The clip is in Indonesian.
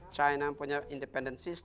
china punya sistem independen